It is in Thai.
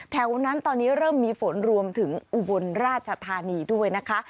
แถวนั้นตอนนี้เริ่มมีฝนรวมถึงอุบลราชธานีด้วยนะคะ